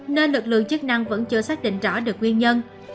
nên lực lượng chức năng vẫn chưa xác định rõ được nguyên nhân